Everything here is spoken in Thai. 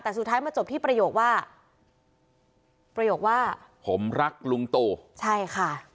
แต่สุดท้ายมาจบที่ประโยคว่าประโยคว่าผมรักลุงตู่ใช่ค่ะ